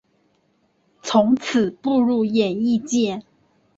从此步入演艺界。